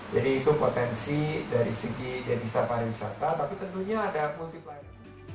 jadi itu potensi dari segi devisa pariwisata tapi tentunya ada multi pariwisata